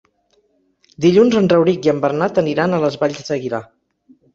Dilluns en Rauric i en Bernat aniran a les Valls d'Aguilar.